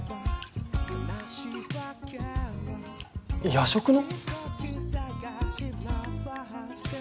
夜食の？